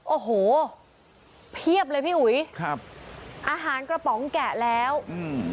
โอ้โหเพียบเลยพี่อุ๋ยครับอาหารกระป๋องแกะแล้วอืม